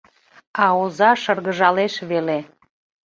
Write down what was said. А оза шыргыжалеш веле.